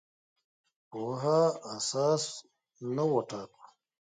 پوهه اساس نه وټاکو.